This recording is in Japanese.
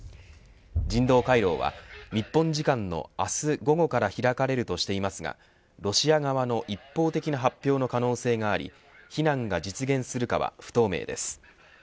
人道回廊は日本時間の明日午後から開かれるとしていますがロシア側の一方的な発表の可能性があり避難が実現するかは不透明です。